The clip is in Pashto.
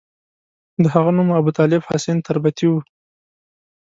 د هغه نوم ابوطالب حسین تربتي وو.